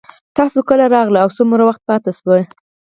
تاسو کله راغلئ او څومره وخت پاتې شوئ